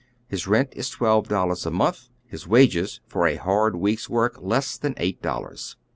His rent is twelve dollars a month ; his wages for a hard week's work less than eight dollars.